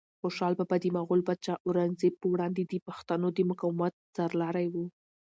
خوشحال بابا د مغول پادشاه اورنګزیب په وړاندې د پښتنو د مقاومت سرلاری و.